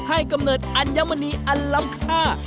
กำเนิดอัญมณีอันล้ำค่า